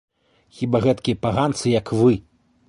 Хіба гэткія паганцы, як вы!